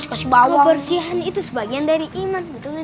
kebersihan itu sebagian dari iman